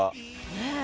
ねえ。